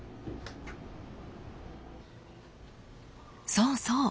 そうそう！